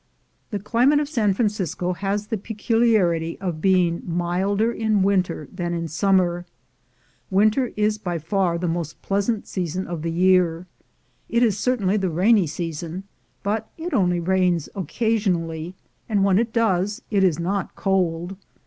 The climate of San Francisco has the peculiarity of being milder in winter than in summer. Winter is by far the most pleasant season of the year. It is cer tainly the rainy season, but it only rains occasionally, and when it does it is not cold.